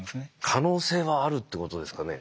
可能性はあるってことですかね。